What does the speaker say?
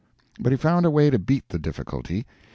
But he found a way to beat the difficulty.